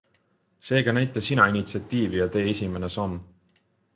Seega näita sina initsiatiivi ja tee esimene samm.